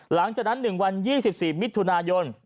หลังจากนั้น๑วัน๒๔มิถุนายน